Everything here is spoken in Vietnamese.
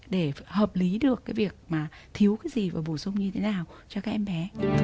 để hợp lý được cái việc mà thiếu cái gì và bổ sung như thế nào cho các em bé